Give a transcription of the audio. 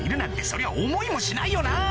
そりゃ思いもしないよな！